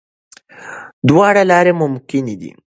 دواړه لارې ممکن دي.